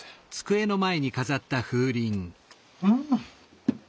うん！